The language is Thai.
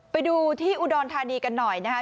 ไปดูที่อุดรธานีกันหน่อยนะคะ